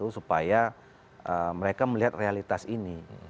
supaya mereka melihat realitas ini